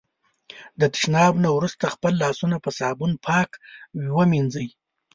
د تشناب نه وروسته خپل لاسونه په صابون پاک ومېنځی.